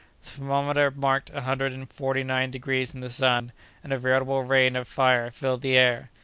The thermometer marked a hundred and forty nine degrees in the sun, and a veritable rain of fire filled the air.